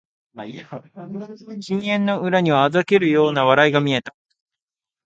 金縁の裏には嘲るような笑いが見えた